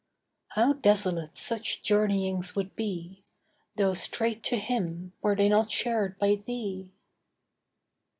How desolate such journeyings would be, Though straight to Him, were they not shared by thee.